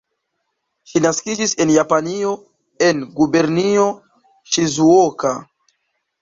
Ŝi naskiĝis en Japanio, en Gubernio Ŝizuoka.